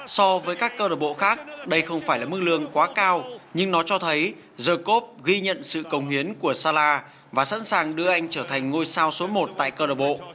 so với các cơ độc bộ khác đây không phải là mức lương quá cao nhưng nó cho thấy jacob ghi nhận sự công hiến của salah và sẵn sàng đưa anh trở thành ngôi sao số một tại cơ độc bộ